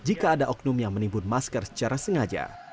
jika ada oknum yang menimbun masker secara sengaja